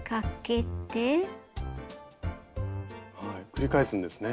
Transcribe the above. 繰り返すんですね。